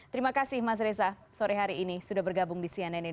terima kasih mas reza sore hari ini sudah bergabung di cnn indonesia